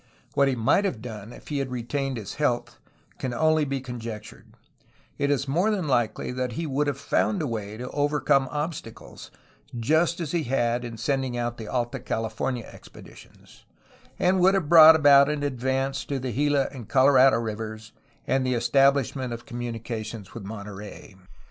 What he might have done if he had retained his health can only be conjectured; it is more than likely that he would have found a way to overcome obstacles, just as he had in sending out the Alt a California expeditions, and would have brought about an advance to the Gila and Colorado rivers and the establishment of com munications with Monterey.